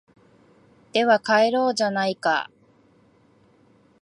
では帰ろうじゃないか